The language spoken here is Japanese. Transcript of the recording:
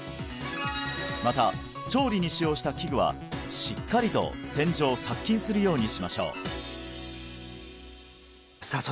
また調理に使用した器具はしっかりと洗浄殺菌するようにしましょうさあ